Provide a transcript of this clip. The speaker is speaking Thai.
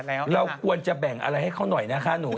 เราควรจะแบ่งอะไรให้เขาหน่อยนะคะหนู